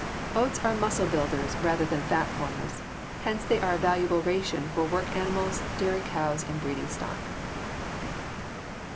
Oats are muscle builders rather than fat formers. Hence they are a valuable ration for work animals, dairy cows, and breeding stock.